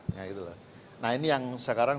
nah ini yang sekarang